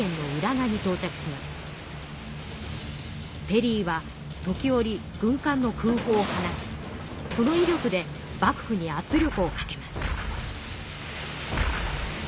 ペリーは時折軍艦の空ほうを放ちそのいりょくで幕府に圧力をかけます。